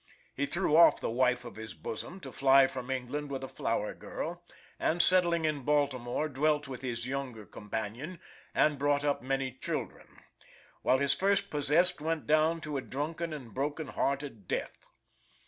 He threw off the wife of his bosom to fly from England with a flower girl, and, settling in Baltimore, dwelt with his younger companion, and brought up many children, while his first possessed went down to a drunken and broken hearted death.